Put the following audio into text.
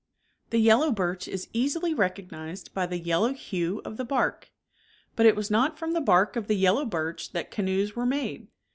The yellow birch is easily recognized by the yel low hue of the bark. But it was not from the bark of the yellow birch that canoes were made.